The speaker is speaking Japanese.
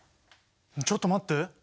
ちょっと待って！